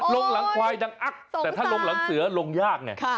ลงหลังควายดังอักแต่ถ้าลงหลังเสือลงยากไง